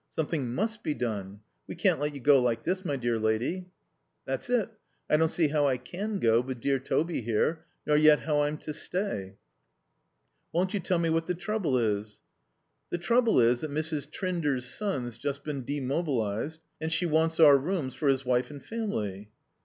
"Something must be done. We can't let you go like this, my dear lady." "That's it. I don't see how I can go, with dear Toby here. Nor yet how I'm to stay." "Won't you tell me what the trouble is?" "The trouble is that Mrs. Trinder's son's just been demobilized, and she wants our rooms for his wife and family."